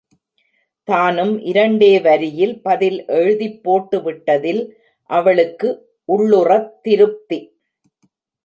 தானும் இரண்டே வரியில் பதில் எழுதிப் போட்டு விட்டதில் அவளுக்கு உள்ளுறத் திருப்தி.